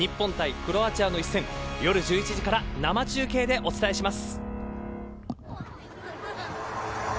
クロアチアの一戦夜１１時から生中継でお伝えします。